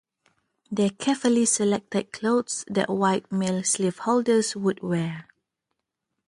They carefully selected clothes that white male slave holders would wear.